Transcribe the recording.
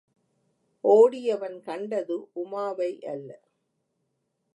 ஓடியவன் கண்டது உமாவையல்ல!